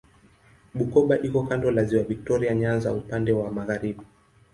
Bukoba iko kando la Ziwa Viktoria Nyanza upande wa magharibi.